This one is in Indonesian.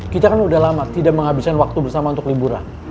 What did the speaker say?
kita udah lama tidak menghabiskan waktu bersama untuk liburan